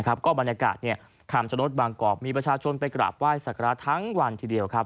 ก็บรรยากาศขามจะลดบางกรอบมีประชาชนไปกรากไหว้ศักราชทั้งวันทีเดียวครับ